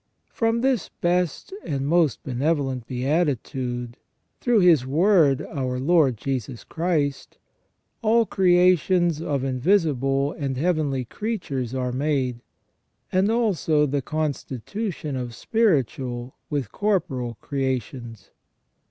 From this best and most benevolent beatitude, through His Word, our Lord Jesus Christ, all creations of invisible and heavenly creatures are made, and also the constitution of spiritual with corporal creations.